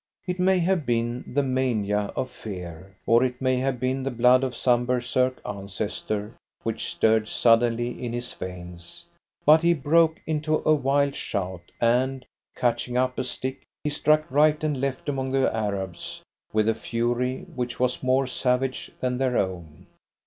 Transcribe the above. It may have been the mania of fear, or it may have been the blood of some Berserk ancestor which stirred suddenly in his veins; but he broke into a wild shout, and, catching up a stick, he struck right and left among the Arabs with a fury which was more savage than their own.